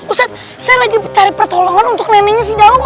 ustad saya lagi cari pertolongan untuk neneknya si daud